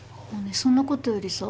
そんなことよりさ